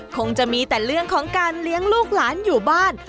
คงจะมีแต่เรื่องของการเลี้ยงลูกหลานอยู่บ้าน